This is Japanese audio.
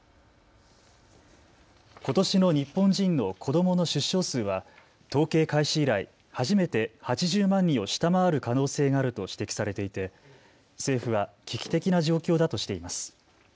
ことしの日本人の子どもの出生数は統計開始以来初めて８０万人を下回る可能性があると指摘されていて政府は危機的な状況だとしています。